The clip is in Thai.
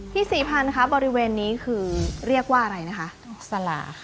พี่ศรีพันธ์ครับบริเวณนี้คือเรียกว่าอะไรนะคะ